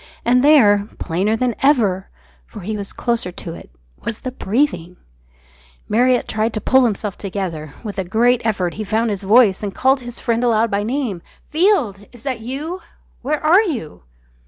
And there, plainer than ever for he was closer to it was the breathing! Marriott tried to pull himself together. With a great effort he found his voice and called his friend aloud by name! "Field! Is that you? Where are you?"